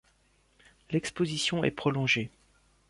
L'exposition est prolongée.